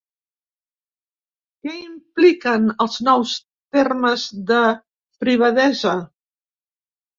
Què impliquen els nous termes de privadesa?